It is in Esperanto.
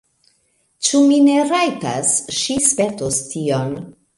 Ĉu mi ne rajtas? Ŝi spertos tion!